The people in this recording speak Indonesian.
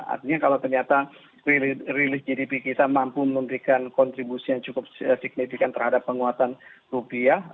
artinya kalau ternyata rilis gdp kita mampu memberikan kontribusi yang cukup signifikan terhadap penguatan rupiah